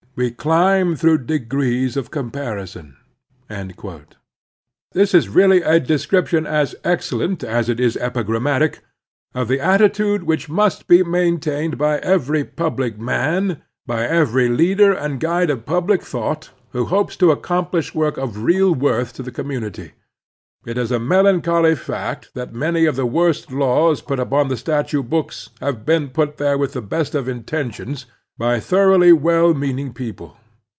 We climb through degrees of compar ison." This is really a description as excellent as it is epigranmiatic of the attitude which must be main tained by every public man, by every leader and guide of public thought, who hopes to accomplish work of real worth to the commxmity. It is a melancholy fact that many of the worst laws put upon the statute books have been put there with the best of intentions by thoroughly well meaning people.